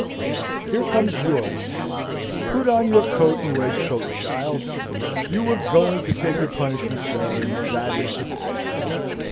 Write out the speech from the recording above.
Here comes George. Put on your coat and waistcoat, child! You were going to take your punishment, sir, and that is sufficient.